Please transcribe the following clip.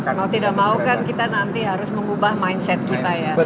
kalau tidak mau kan kita nanti harus mengubah mindset kita ya